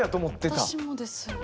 私もです。